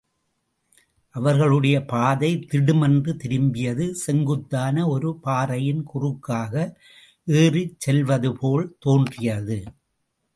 அவர்களுடைய பாதை திடுமென்று திரும்பியது, செங்குத்தான ஒரு பாறையின் குறுக்காக ஏறிச்செல்வதுபோல் தோன்றியது.